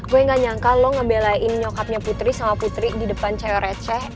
gue gak nyangka lo ngebelain nyokapnya putri sama putri di depan cair eceh